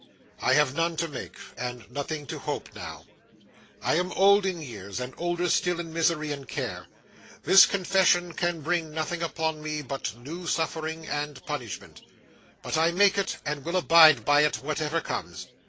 I have none to make, and nothing to hope now. I am old in years, and older still in misery and care. This confession can bring nothing upon me but new suffering and punishment; but I make it, and will abide by it whatever comes.